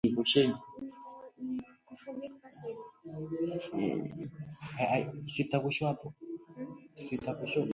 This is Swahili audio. Hajui ailaumu nafsi yake ama shetani? Alikurupuka na kwenda